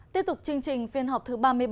tiếp tục chương trình phiên họp thứ ba mươi bảy